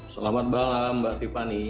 selamat malam mbak tiffany